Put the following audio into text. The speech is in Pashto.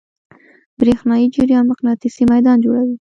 برېښنایی جریان مقناطیسي میدان جوړوي.